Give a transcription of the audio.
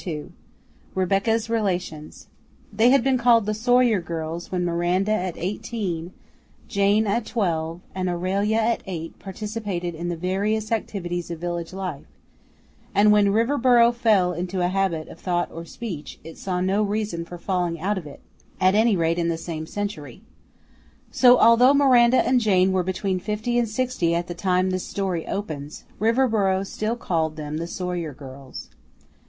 II REBECCA'S RELATIONS They had been called the Sawyer girls when Miranda at eighteen, Jane at twelve, and Aurelia at eight participated in the various activities of village life; and when Riverboro fell into a habit of thought or speech, it saw no reason for falling out of it, at any rate in the same century. So although Miranda and Jane were between fifty and sixty at the time this story opens, Riverboro still called them the Sawyer girls.